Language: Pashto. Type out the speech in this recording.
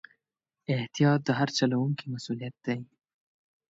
احتیاط د هر چلوونکي مسؤلیت دی.